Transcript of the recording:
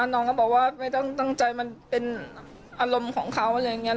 น้องก็บอกว่าไม่ต้องตั้งใจมันเป็นอารมณ์ของเขาอะไรอย่างนี้